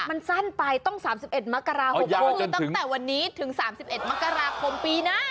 มันสั้นไปต้อง๓๑ธันวาคมโอ้ยยาวจนถึงตั้งแต่วันนี้ถึง๓๑ธันวาคมปีหน้า